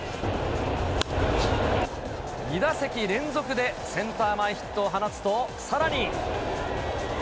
２打席連続でセンター前ヒットを放つと、さらに。